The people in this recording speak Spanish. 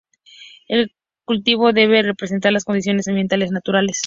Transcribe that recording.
El cultivo debe de respetar las condiciones ambientales naturales.